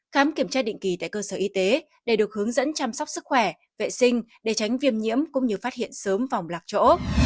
khám kiểm tra định kỳ tại cơ sở y tế để được hướng dẫn chăm sóc sức khỏe vệ sinh để tránh viêm nhiễm cũng như phát hiện sớm vòng lạc chỗ